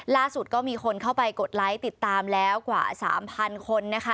ล่าสุดก็มีคนเข้าไปกดไลค์ติดตามแล้วกว่า๓๐๐คนนะคะ